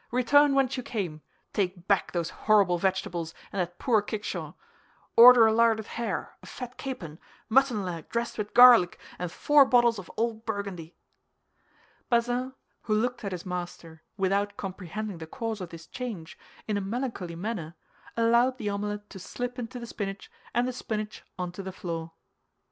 "Return whence you came; take back those horrible vegetables, and that poor kickshaw! Order a larded hare, a fat capon, mutton leg dressed with garlic, and four bottles of old Burgundy." Bazin, who looked at his master, without comprehending the cause of this change, in a melancholy manner, allowed the omelet to slip into the spinach, and the spinach onto the floor.